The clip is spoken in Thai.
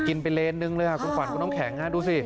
กินไปเลนนึงเลยคุณขวัญคุณน้ำแข็งดูสิ